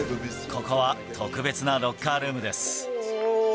ここは特別なロッカールームおー！